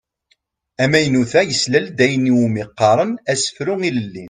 Amaynut-a yeslal-d ayen i wumi qqaren asefru ilelli.